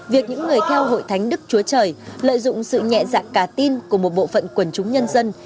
việc những người theo hội thánh đức chúa trời lợi dụng sự nhẹ dạ cả tin của một bộ phận quần chúng nhân dân